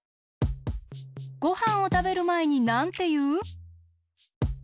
ごはんをたべるまえになんていう？